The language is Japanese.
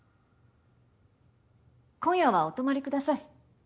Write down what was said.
今夜はお泊まりください。